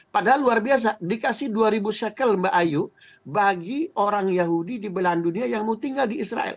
padahal luar biasa dikasih dua ribu cycle mbak ayu bagi orang yahudi di belahan dunia yang mau tinggal di israel